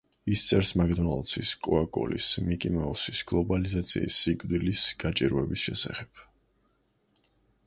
ის წერს მაკდონალდსის, კოკა-კოლის, მიკი მაუსის, გლობალიზაციის, სიკვდილის, გაჭირვების შესახებ.